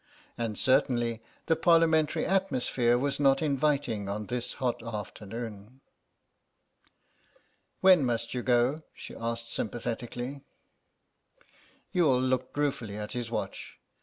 And certainly, the Parliamentary atmosphere was not inviting on this hot afternoon. "When must you go?" she asked, sympathetically. Youghal looked ruefully at his watch.